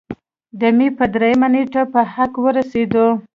د مۍ پۀ دريمه نېټه پۀ حق اورسېدو